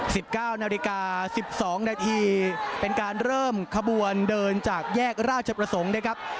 สิบเก้านาฬิกาสิบสองนาทีเป็นการเริ่มขบวนเดินจากแยกราชประสงค์นะครับ